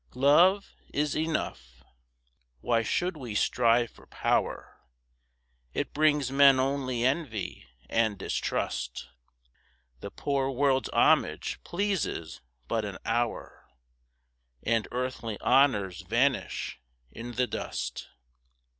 Love is enough. Why should we strive for power? It brings men only envy and distrust. The poor world's homage pleases but an hour, And earthly honours vanish in the dust.